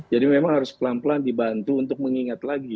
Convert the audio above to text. jadi memang harus pelan pelan dibantu untuk mengingat lagi